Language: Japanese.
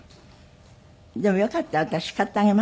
でもよかったら私叱ってあげますよ。